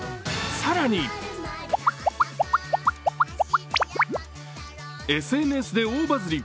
更にＳＮＳで大バズり。